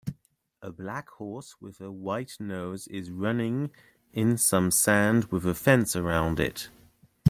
A black horse with a white nose is running in some sand with a fence around it